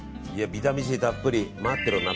ビタミンＣたっぷり待ってろ夏